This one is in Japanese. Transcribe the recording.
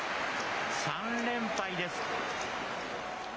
３連敗です。